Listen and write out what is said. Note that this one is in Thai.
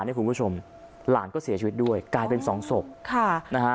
นี่คุณผู้ชมหลานก็เสียชีวิตด้วยกลายเป็นสองศพค่ะนะฮะ